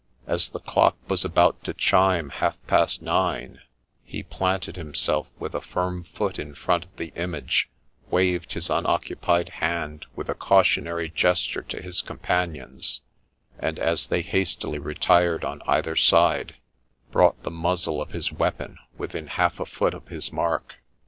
As the clock was about to chime half past nine, he planted himself with a firm foot in front of the image, waved his unoccupied hand with a cautionary gesture to his companions, and, as they hastily retired on either side, brought the muzzle of his weapon within half a foot of his mark.